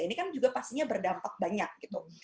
ini kan juga pastinya berdampak banyak gitu